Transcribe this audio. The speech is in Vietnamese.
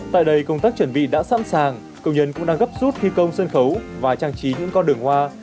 tại đây công tác chuẩn bị đã sẵn sàng công nhân cũng đang gấp rút thi công sân khấu và trang trí những con đường hoa